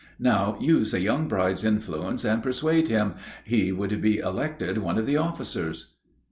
Now use a young bride's influence and persuade him; he would be elected one of the officers."